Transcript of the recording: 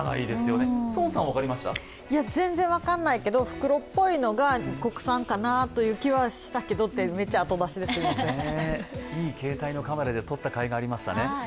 全然分からないけど、袋っぽいのが国産かなという気がしたけど、いい携帯のカメラで撮った甲斐がありましたね。